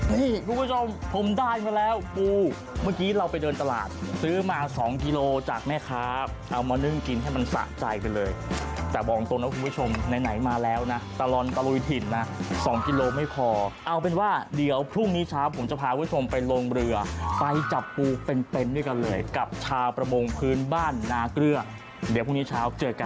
นี่คุณผู้ชมผมได้มาแล้วปูเมื่อกี้เราไปเดินตลาดซื้อมาสองกิโลจากแม่ค้าเอามานึ่งกินให้มันสะใจไปเลยแต่บอกตรงนะคุณผู้ชมไหนมาแล้วนะตลอดตะลุยถิ่นนะ๒กิโลไม่พอเอาเป็นว่าเดี๋ยวพรุ่งนี้เช้าผมจะพาคุณผู้ชมไปลงเรือไปจับปูเป็นด้วยกันเลยกับชาวประมงพื้นบ้านนาเกลือเดี๋ยวพรุ่งนี้เช้าเจอกัน